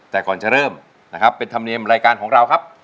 แต่ก่อนจะเริ่มนะครับเป็นธรรมเนียมรายการของเราครับ